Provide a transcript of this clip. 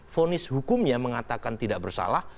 fonis hukumnya mengatakan tidak bersalah